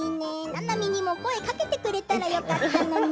ななみにも声かけてくれたらいいのに。